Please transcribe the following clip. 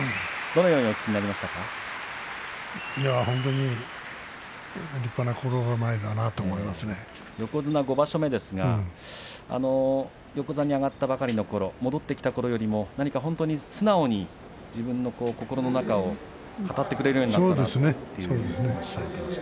どのようにいや本当に横綱５場所目ですが横綱に上がったばかりのころ戻ってきたころよりも何か本当に、素直に自分の心の中を語ってくれるようになったと。